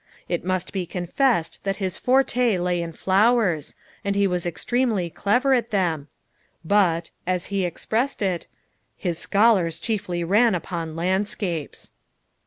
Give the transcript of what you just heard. It must be confessed that his forte lay in flowers, and he was extremely clever at them, "but," as he expressed it, "his scholars chiefly ran upon landscapes."